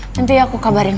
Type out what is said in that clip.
nanti aku kabarin